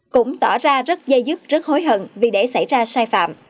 cũng tỏ ra rất dây dứt rất hối hận vì để xảy ra sai phạm